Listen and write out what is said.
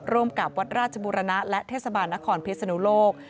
ร่วมกับวัดราชบุรณะและเทศบาลนครพิศนุโลก